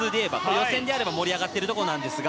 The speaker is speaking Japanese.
予選であれば盛り上がっているところですが。